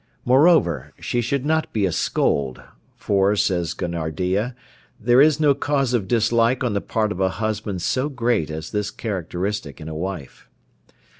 Moreover, she should not be a scold, for says Gonardiya, "there is no cause of dislike on the part of a husband so great as this characteristic in a wife."